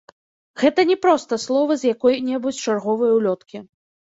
Гэта не проста словы з якой-небудзь чарговай улёткі.